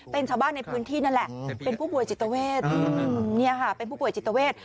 เป็นชาวบ้านในพื้นที่นั่นแหละเป็นผู้ป่วยจิตเวทเป็นผู้ป่วยจิตเวท